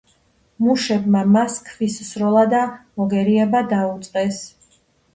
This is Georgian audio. მუშებმა მას ქვის სროლა და მოგერიება დაუწყეს.